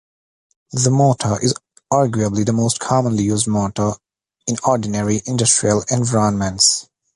This motor is arguably the most commonly used motor in ordinary industrial environments.